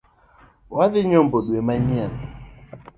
Wadhi nyombo dwe manyien.